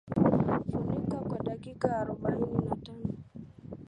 Funika kwa dakika arobaini na tano